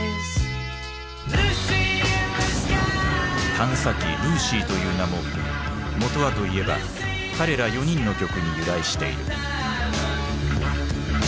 探査機「ルーシー」という名ももとはといえば彼ら４人の曲に由来している。